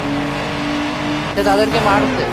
সে তাদেরকে মারছে।